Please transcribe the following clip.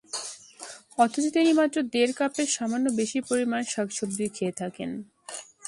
অথচ তিনি মাত্র দেড় কাপের সামান্য বেশি পরিমাণ শাকসবজি খেয়ে থাকেন।